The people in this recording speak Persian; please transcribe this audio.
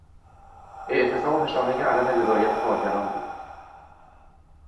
اعتصاب نشانهی عدم رضایت کارگران بود.